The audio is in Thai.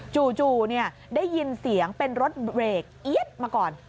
จู่ได้ยินเสียงเป็นรถเบรกเอี๊ยดมาก่อน